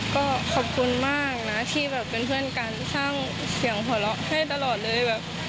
ก็ขอบคุณมากนะที่แบบเป็นเพื่อนกันสร้างเสียงหัวเราะให้ตลอดเลยแบบ